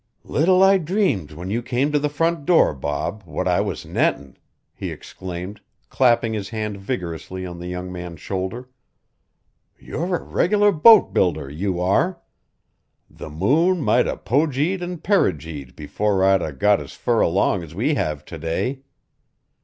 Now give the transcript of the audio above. "Little I dreamed when you came to the front door, Bob, what I was nettin'!" he exclaimed, clapping his hand vigorously on the young man's shoulder. "You're a regular boat builder, you are. The moon might 'a' pogeed an' perigeed before I'd 'a' got as fur along as we have to day.